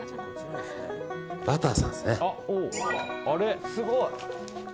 バターさんですね。